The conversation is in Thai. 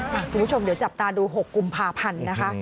คุณผู้ชมเดี๋ยวจับตาดู๖กุมภาพันธ์นะคะ